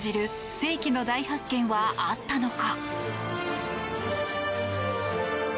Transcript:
世紀の大発見はあったのか？